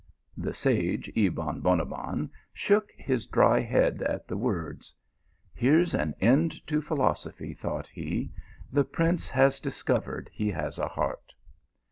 The sage Ebon Bonabbon shook his dry head at the words. " Here s an end to philosophy," thought he. " The prince has discovered he has a heart